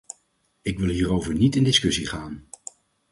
Ik wil hierover niet in discussie gaan.